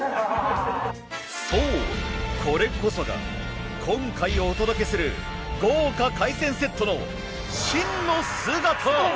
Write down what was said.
そうこれこそが今回お届けする豪華海鮮セットの真の姿。